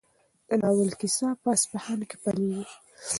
د ناول کیسه په اصفهان کې پیلېږي.